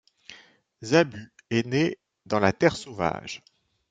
Zabu est né dans la Terre Sauvage.